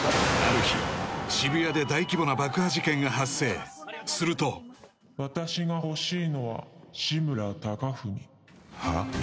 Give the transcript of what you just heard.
ある日渋谷で大規模な爆破事件が発生すると私が欲しいのは志村貴文はあ？